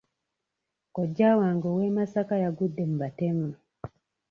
Kojja wange ow'e Masaka yagudde mu batemu.